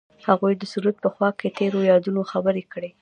هغوی د سرود په خوا کې تیرو یادونو خبرې کړې.